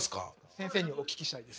先生にお聞きしたいです。